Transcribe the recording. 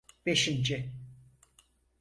Beşinci.